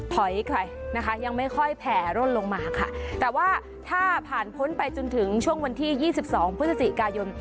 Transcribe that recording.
ถอยใครนะคะยังไม่ค่อยแผ่ร่นลงมาค่ะแต่ว่าถ้าผ่านพ้นไปจนถึงช่วงวันที่ยี่สิบสองพฤศจิกายน